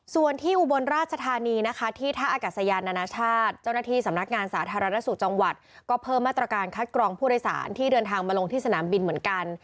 ส่วนที่อุบลราชธานีนะคะที่ท่าอากาศยานานาชาติเจ้าหน้าที่สำนักงานสาธารณสุขจังหวัดก็เพิ่มมาตรการคัดกรองผู้โดยสารที่เดินทางมาลงที่สนามบินเหมือนกัน